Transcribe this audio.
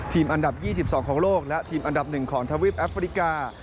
อันดับ๒๒ของโลกและทีมอันดับ๑ของทวีปแอฟริกา